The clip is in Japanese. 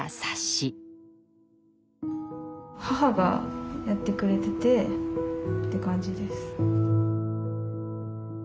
母がやってくれててって感じです。